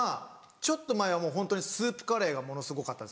ちょっと前はホントにスープカレーがものすごかったんですよ。